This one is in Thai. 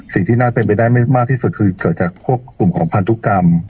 สิ่งที่น่าเป็นไปได้ไม่มากที่สุดคือเกิดจากพวกกลุ่มของพันธุกรรม